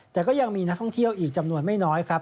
แต่ก็ยังมีนักท่องเที่ยวอีกจำนวนไม่น้อยครับ